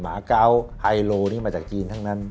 หมาเกาะไฮโลนี่มาจากจีนทั้งนั้น